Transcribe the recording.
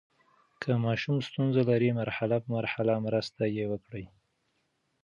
که ماشوم ستونزه لري، مرحلې په مرحله مرسته یې وکړئ.